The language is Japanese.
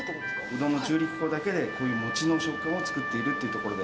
うどんの中力粉だけで、こういう餅の食感を作っているっていうところで。